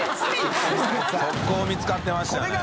見つかってましたよね。